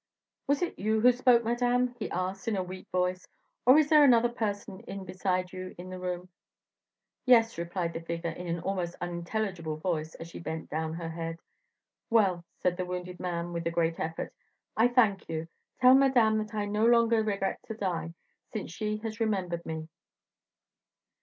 "Was it you who spoke, madame?" he asked, in a weak voice, "or is there another person in beside you in the room?" "Yes," replied the figure, in an almost unintelligible voice, as she bent down her head. "Well," said the wounded man, with a great effort, "I thank you. Tell Madame that I no longer regret to die, since she has remembered me."